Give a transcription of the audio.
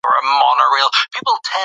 موږ باید د خپل هېواد خدمت وکړو.